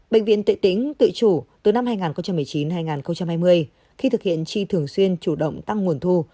bệnh viện tự tính tự chủ từ năm hai nghìn một mươi chín hai nghìn hai mươi khi thực hiện tri thường xuyên chủ động tăng nguồn thu